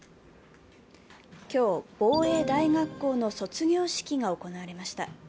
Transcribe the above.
今日、防衛大学校の卒業式が行われました。